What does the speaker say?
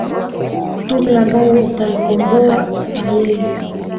tume ambayo itaikombowa sayee